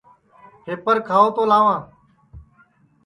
پھپر کھاو تو لاواں